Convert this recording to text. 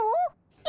え？